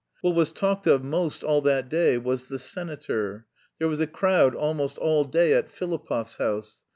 What was talked of most all that day was "the senator." There was a crowd almost all day at Filipov's house.